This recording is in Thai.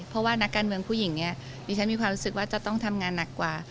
เพราะว่านักการเมืองผู้หญิงเนี่ยดิฉันมีความรู้สึกว่าจะต้องทำงานหนักกว่า